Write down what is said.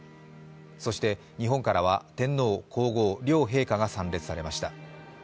そして日本からは天皇皇后両陛下が参列されました。